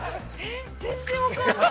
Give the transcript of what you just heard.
全然分かんない。